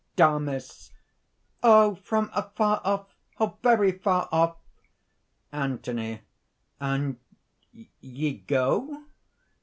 DAMIS. "Oh! from afar off very far off!" ANTHONY. "And ye go?..."